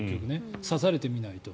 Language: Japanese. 刺されてみないと。